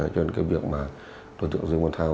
cho nên cái việc mà đối tượng dương văn thao